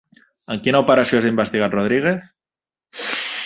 En quina operació és investigat Rodríguez?